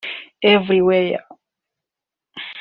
Everywhere”